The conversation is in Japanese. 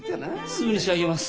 すぐに仕上げます。